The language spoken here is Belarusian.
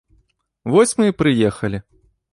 Вось мы і прыехалі!